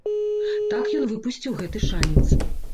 Так ён выпусціў гэты шанец.